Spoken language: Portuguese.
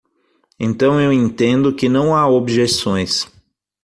Então eu entendo que não há objeções.